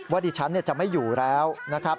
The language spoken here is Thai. ดิฉันจะไม่อยู่แล้วนะครับ